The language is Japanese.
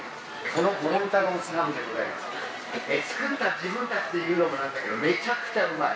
このボロンタロースハムでございますけど、作った自分たちで言うのもなんだけど、めちゃくちゃうまい。